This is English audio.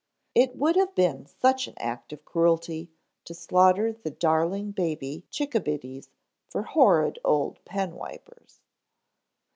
It would have been such an act of cruelty to slaughter the darling baby chickabiddies for horrid old penwipers.